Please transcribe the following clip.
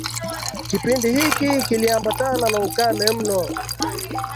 Kipindi hiki kiliambatana na ukame mno